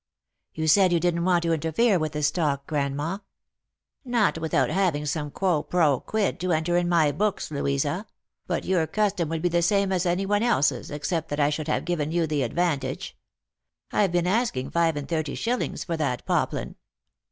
" You said you didn't want to interfere with the stock, grandma." " Not without having some quo fro quid to enter in my books, Louisa ; but your custom would be the same as any one else's, except that I should have given you the advantage. I've been asking five and thirty shillings for that poplin."